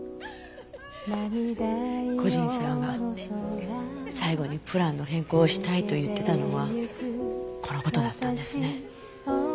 故人様が最後にプランの変更をしたいと言ってたのはこの事だったんですね。